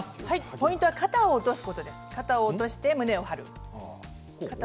ポイントは肩を落とすことです、肩を落として胸を張る。